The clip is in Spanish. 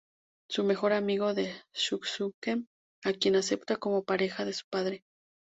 Su mejor amigo es Shunsuke, a quien acepta como pareja de su padre.